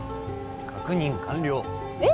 確認完了えっ！？